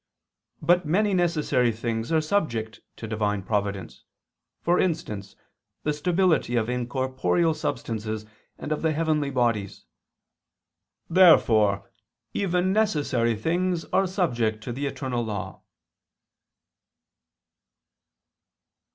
But many necessary things are subject to Divine providence: for instance, the stability of incorporeal substances and of the heavenly bodies. Therefore even necessary things are subject to the eternal law.